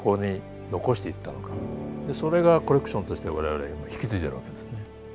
でそれがコレクションとして我々引き継いでるわけですね。